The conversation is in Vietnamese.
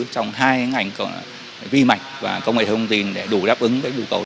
trong hai ngành vi mạch và công nghệ thông tin để đủ đáp ứng với nhu cầu